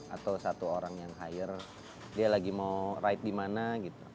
atau satu orang yang hire dia lagi mau ride di mana gitu